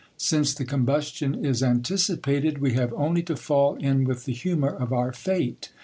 Since ihe combustion is anticipated, we have only to fall in with the humour of our | fafie.